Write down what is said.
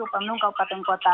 upah minum kabupaten kota